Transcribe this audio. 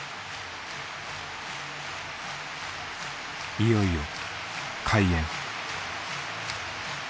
いよいよ開演。